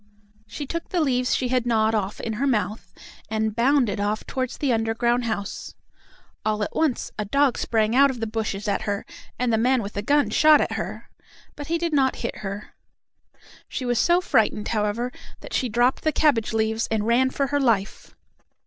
She took the leaves she had gnawed off in her mouth and bounded off toward the underground house. All at once a dog sprang out of the bushes at her and the man with the gun shot at her, but he did not hit her. She was so frightened, however, that she dropped the cabbage leaves and ran for her life.